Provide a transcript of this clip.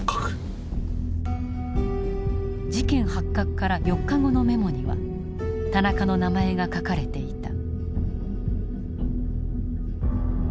事件発覚から４日後のメモには田中の名前が書かれていた。